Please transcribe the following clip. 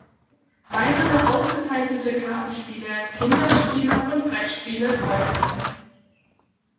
Weitere ausgezeichnete Kartenspiele, Kinderspiele und Brettspiele folgten.